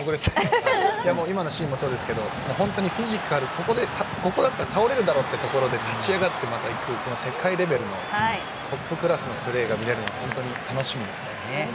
今のシーンもそうですけどフィジカル、ここだったら倒れるというところで立ち上がって世界レベルのトップクラスのプレーが見られるの楽しいですね。